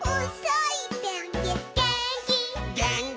「げーんき」